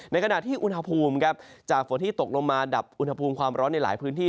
ในขณะที่อุณหภูมิครับจากฝนที่ตกลงมาดับอุณหภูมิความร้อนในหลายพื้นที่